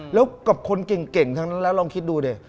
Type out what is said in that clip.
แล้วกับคนเก่งทั้งนั้นแล้วลองคิดดูดิ